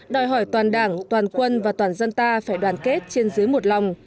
đòi hỏi toàn đảng toàn quân và toàn dân ta phải đoàn kết trên dưới một lòng